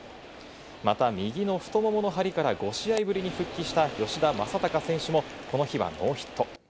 また右の太ももの張りから５試合ぶりに復帰した吉田正尚選手も、この日はノーヒット。